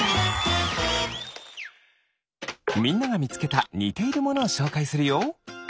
みんながみつけたにているものをしょうかいするよ。